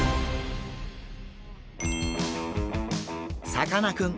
さかなクン